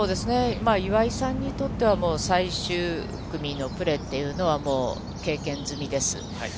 岩井さんにとっては、もう最終組のプレーっていうのは、経験済みです。